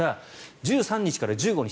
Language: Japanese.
１３日から１５日